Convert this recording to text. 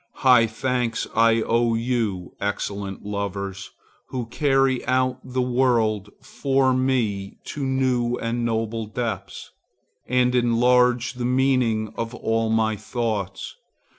High thanks I owe you, excellent lovers, who carry out the world for me to new and noble depths, and enlarge the meaning of all my thoughts.